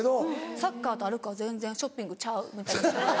「サッカーと歩くは全然ショッピングちゃう」みたいな。